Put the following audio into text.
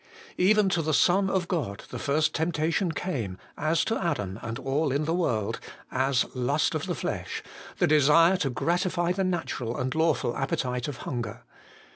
Even to the Son of God the first temptation came, as to Adam and all in the world, as lust of the flesh, the desire to gratify the natural and lawful appetite of hunger.